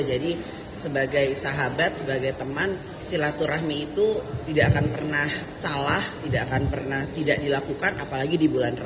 jadi sebagai sahabat sebagai teman silaturahmi itu tidak akan pernah salah tidak akan pernah tidak dilakukan apalagi di bulan ramadhan